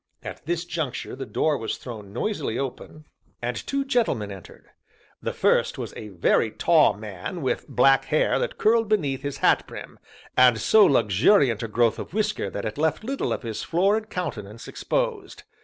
At this juncture the door was thrown noisily open, and two gentlemen entered. The first was a very tall man with black hair that curled beneath his hat brim, and so luxuriant a growth of whisker that it left little of his florid countenance exposed.